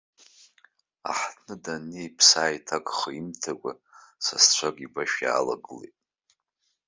Аҳҭны даннеи, иԥсы ааиҭакха имҭакәа, сасцәак игәашә иаалагылт.